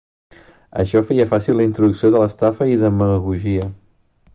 Això feia fàcil la introducció de l'estafa i demagògia.